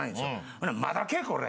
ほんなら「まだけ？これ！」